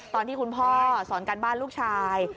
ตอนที่คุณพ่อสอนการบ้านลูกชาย